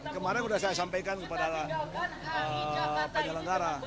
kemarin sudah saya sampaikan kepada penyelenggara